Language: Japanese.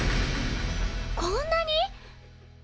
こんなに！？